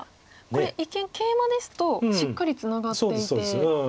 これ一見ケイマですとしっかりツナがっていて。